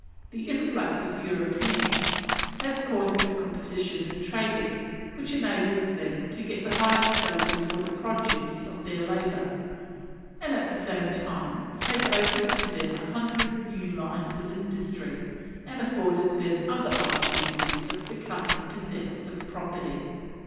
The influx of Europeans has caused a competition in trading, which enables them to get the highest value for the produce of their labour, and at the same time has opened to them a hundred new lines of industry, and afforded them other opportunities of becoming possessed of property.